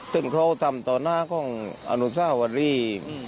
ซึ่งเขาทำต่อหน้าของอนุซ่าวารี